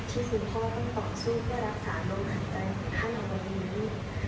ที่คุณพ่อต้องต่อสู้เพื่อรักษาวงหายใจของเราในวันนี้